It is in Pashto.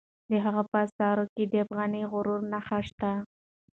د هغه په آثارو کې د افغاني غرور نښې شته.